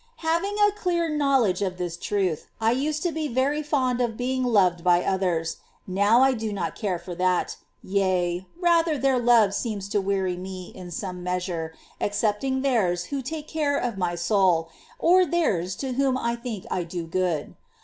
8. Having a clear knowledge of this truth, I used others*.^ to be vcry fond of being loved by others ; now I do not care for that, yea, rather, their love seems to weary me in some measure, excepting theirs who take care of my soul, or theirs to whom I think I do good.